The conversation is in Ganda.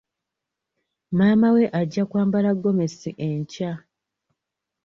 Maama we ajja kwambala gomesi enkya.